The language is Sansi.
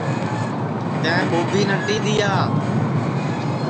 تیں ٻوبی نٹی دؔیا